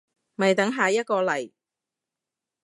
咪等下一個嚟